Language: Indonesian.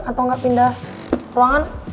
atau gak pindah ruangan